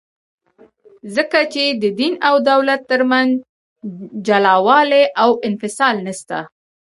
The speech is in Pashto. ځکه چي د دین او دولت ترمنځ جلاوالي او انفصال نسته.